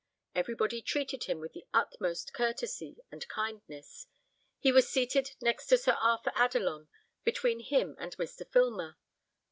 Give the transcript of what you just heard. Everybody treated him with the utmost courtesy and kindness; he was seated next to Sir Arthur Adelon, between him and Mr. Filmer.